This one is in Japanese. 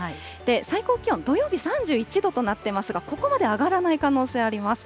最高気温、土曜日３１度となっていますが、ここまで上がらない可能性あります。